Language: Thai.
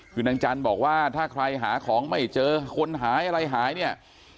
คือนางจันทร์บอกว่าถ้าใครหาของไม่เจอคนหายอะไรหายเนี่ย